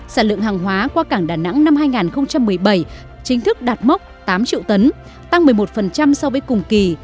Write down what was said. sản lượng hàng hóa qua cảng đà nẵng năm hai nghìn một mươi bảy chính thức đạt mốc tám triệu tấn tăng một mươi một so với cùng kỳ